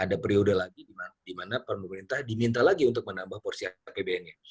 ada periode lagi di mana pemerintah diminta lagi untuk menambah porsi apbn nya